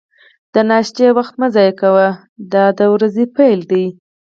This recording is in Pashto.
د ناشتې وخت مه ضایع کوه، دا د ورځې پیل دی.